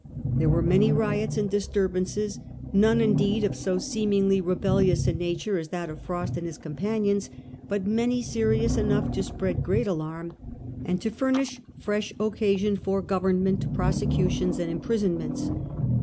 There were many riots and disturbances ; none, indeed, of so seemingly rebellious a nature as that of Frost and his companions, but many serious enough to spread great alarm and to furnish fresh occasion for Govern ment prosecutions and imprisonments'.